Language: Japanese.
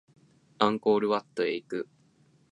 アンコールワットへ行く